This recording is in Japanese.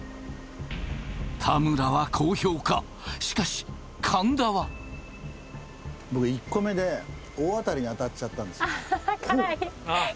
田村は高評価しかし神田は僕１個目で大当たりに当たっちゃったんですはははっ